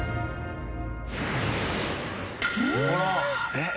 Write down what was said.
えっ？